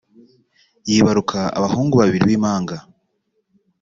yibaruka abahungu babiri b’impanga